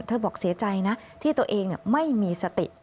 บอกเสียใจนะที่ตัวเองไม่มีสติ